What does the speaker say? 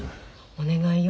お願いよ